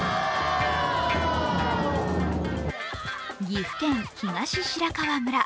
岐阜県東白川村。